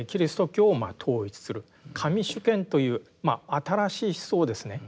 神主権という新しい思想をですね